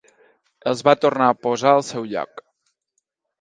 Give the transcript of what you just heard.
Els va tornar a posar al seu lloc